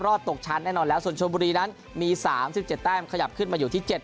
ตกชั้นแน่นอนแล้วส่วนชนบุรีนั้นมี๓๗แต้มขยับขึ้นมาอยู่ที่๗